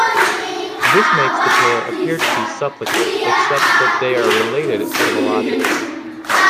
This makes the pair appear to be suppletive, except that they are related etymologically.